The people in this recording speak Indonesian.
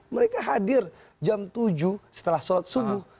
mereka hadir jam tujuh setelah sholat subuh